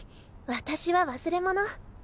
私は忘れ物。